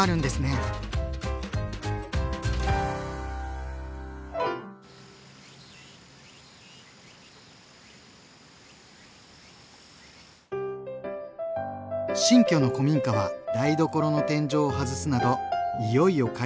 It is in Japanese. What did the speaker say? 新居の古民家は台所の天井を外すなどいよいよ改装が始まっています。